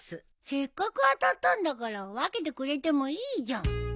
せっかく当たったんだから分けてくれてもいいじゃん。